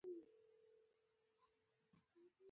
تیل د سکرین لپاره او لمر د ساعت لپاره